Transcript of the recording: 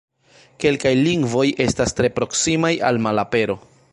Kelkaj lingvoj estas tre proksimaj al malapero.